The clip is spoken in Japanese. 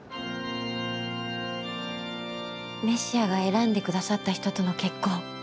メシアが選んで下さった人との結婚。